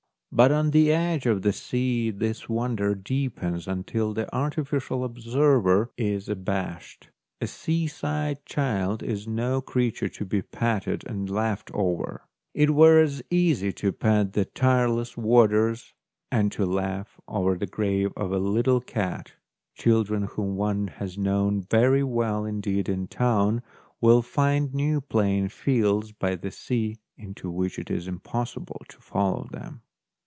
But on the edge of the sea this wonder deepens until the artificial observer is abashed. A seaside child is no creature to be petted and laughed over ; it were as easy to pet the tireless waters, and to laugh over the grave of a little cat ; children whom one has known very well indeed in town will find new playing fields by the sea into which it is impossible to follow them.